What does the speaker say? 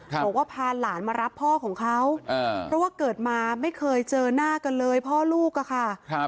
บอกว่าพาหลานมารับพ่อของเขาเพราะว่าเกิดมาไม่เคยเจอหน้ากันเลยพ่อลูกอะค่ะ